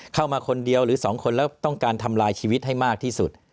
เข้ามาคนเดียวหรือสองคนแล้วต้องการทำลายชีวิตให้มากที่สุด